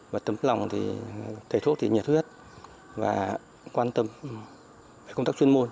và tấm lòng thì thầy thuốc thì nhiệt huyết và quan tâm công tác chuyên môn